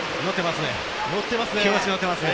乗ってますね。